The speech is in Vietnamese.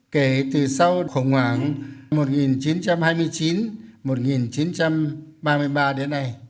kể từ sau khủng hoảng một nghìn chín trăm hai mươi chín một nghìn chín trăm ba mươi ba đến nay